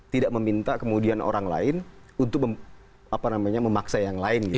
tidak meminta kemudian orang lain untuk memaksa yang lain